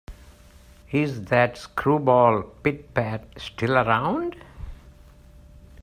Is that screwball Pit-Pat still around?